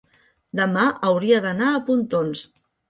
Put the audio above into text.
demà hauria d'anar a Pontons.